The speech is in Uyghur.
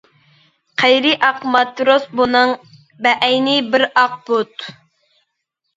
قەيىرى ئاق ماتروس بۇنىڭ، بەئەينى بىر ئاق بۇت.